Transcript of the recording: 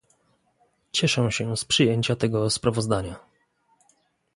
Cieszę się z przyjęcia tego sprawozdania